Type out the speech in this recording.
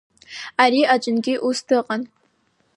Ари аҿынгьы ус дыҟан.